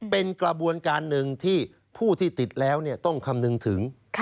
เป็นกระบวนการหนึ่งที่ผู้ที่ติดแล้วต้องคำนึงถึง